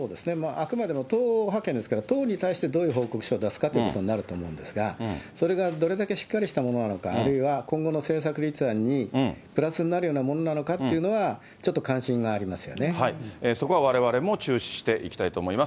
あくまでも党派遣ですから、党に対してどういう報告書を出すかというところになると思うんですが、それがどれだけしっかりしたものなのか、あるいは今後の政策立案にプラスになるようなものなのかというのはちそこはわれわれも注視していきたいと思います。